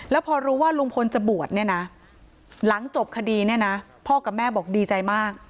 แล้วพอรู้ว่าลุงพลจะบวชหลังจบคดีพ่อกับแม่บอกดีใจมาก